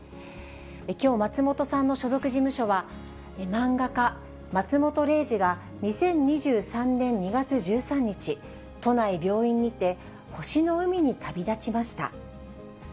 きょう、松本さんの所属事務所は、漫画家、松本零士が２０２３年２月１３日、都内病院にて星の海に旅立ちました。